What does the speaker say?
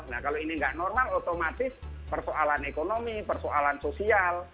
nah kalau ini nggak normal otomatis persoalan ekonomi persoalan sosial